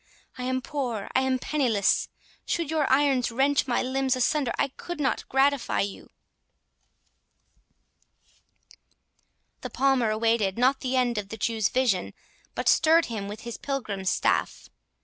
I am poor, I am penniless—should your irons wrench my limbs asunder, I could not gratify you!" The Palmer awaited not the end of the Jew's vision, but stirred him with his pilgrim's staff.